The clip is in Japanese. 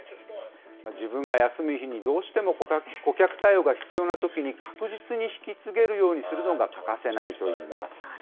自分が休む日に、どうしても顧客対応が必要なときに確実に引き継げるようにするのが欠かせないといいます。